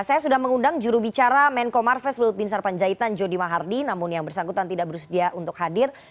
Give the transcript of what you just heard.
saya sudah mengundang jurubicara menko marves lut bin sarpanjaitan jody mahardi namun yang bersangkutan tidak bersedia untuk hadir